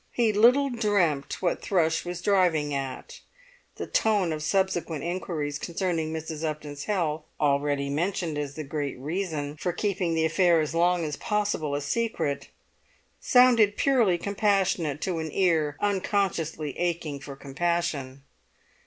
He little dreamt what Thrush was driving at! The tone of subsequent inquiries concerning Mrs. Upton's health (already mentioned as the great reason for keeping the affair as long as possible a secret) sounded purely compassionate to an ear unconsciously aching for compassion.